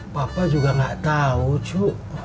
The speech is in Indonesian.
papa juga enggak tahu cu